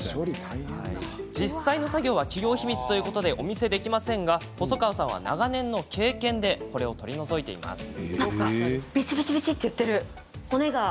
実際の作業は企業秘密でお見せできませんが細川さんは長年の経験でこれを取り除いています。